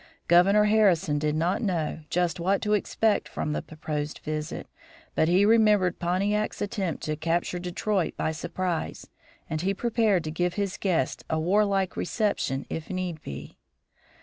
Governor Harrison did not know just what to expect from the proposed visit, but he remembered Pontiac's attempt to capture Detroit by surprise and he prepared to give his guest a warlike reception if need be.